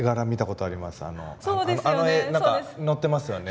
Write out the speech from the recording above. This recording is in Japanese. あの絵何か載ってますよね。